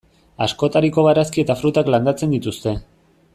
Askotariko barazki eta frutak landatzen dituzte.